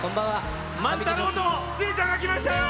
万太郎と寿恵ちゃんが来ましたよ！